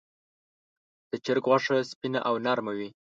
د چرګ غوښه سپینه او نرمه وي.